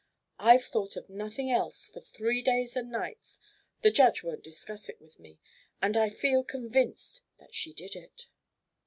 I've thought of nothing else for three days and nights, the Judge won't discuss it with me, and I feel convinced that she did it."